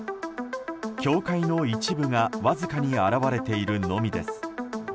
教会の一部がわずかに現れているのみです。